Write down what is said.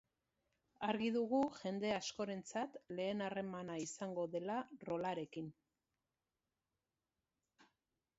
Argi dugu jende askorentzat lehen harremana izango dela rol-arekin.